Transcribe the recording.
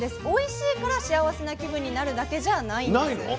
おいしいから幸せな気分になるだけじゃないんです。